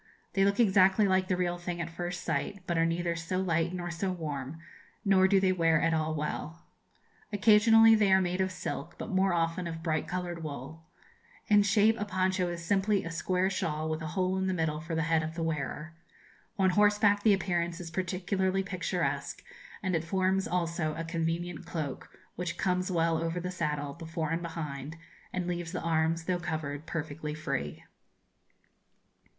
They look exactly like the real thing at first sight, but are neither so light nor so warm, nor do they wear at all well. Occasionally they are made of silk, but more often of bright coloured wool. In shape a poncho is simply a square shawl with a hole in the middle for the head of the wearer. On horseback the appearance is particularly picturesque, and it forms also a convenient cloak, which comes well over the saddle, before and behind, and leaves the arms, though covered, perfectly free.